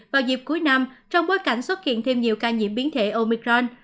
vào dịp cuối năm trong bối cảnh xuất hiện thêm nhiều ca nhiễm biến thể omicron